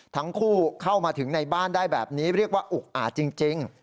เข้ามาถึงในบ้านได้แบบนี้เรียกว่าอุกอาจจริง